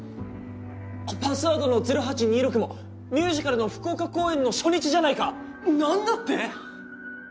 パスワードの「０８２６」もミュージカルの福岡公演の初日じゃないか何だって？